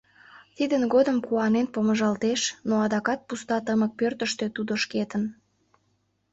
Тидын годым куанен помыжалтеш, но адакат пуста тымык пӧртыштӧ тудо шкетын.